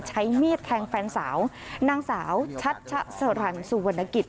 ใช้มีดแทงแฟนสาวนางสาวชัชชะสรรสุวรรณกิจ